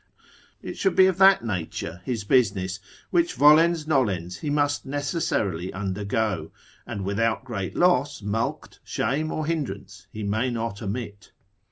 It should be of that nature his business, which volens nolens he must necessarily undergo, and without great loss, mulct, shame, or hindrance, he may not omit.